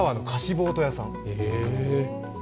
ボート屋さん。